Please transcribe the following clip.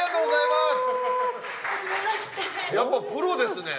やっぱプロですね。